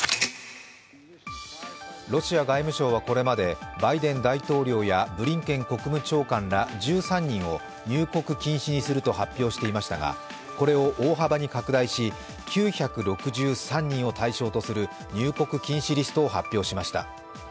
ロシア外務省はこれまでバイデン大統領やブリンケン国務長官ら１３人を入国禁止にすると発表していましたが、これを大幅に拡大し９６３人を対象とする入国禁止リストを発表しました。